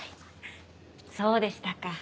そうでしたか。